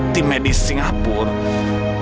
tim medis singapura